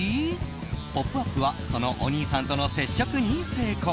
「ポップＵＰ！」はそのお兄さんとの接触に成功。